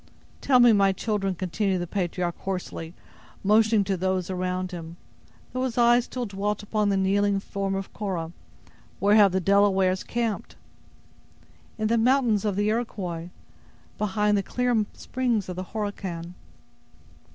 "Tell me, my children," continued the patriarch, hoarsely, motioning to those around him, though his eyes still dwelt upon the kneeling form of Cora, "where have the Delawares camped?" "In the mountains of the Iroquois, beyond the clear springs of the Horican."